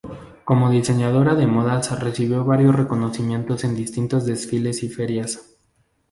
Como Diseñadora de Modas recibió varios reconocimientos en distintos desfiles y ferias.